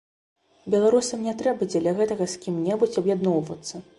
Беларусам не трэба дзеля гэтага з кім-небудзь аб'ядноўвацца.